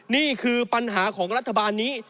นี่คือปัญหาของรัฐบาลนี้